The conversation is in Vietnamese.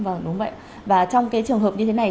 vâng đúng vậy và trong cái trường hợp như thế này